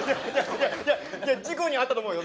いやいや事故に遭ったと思うよ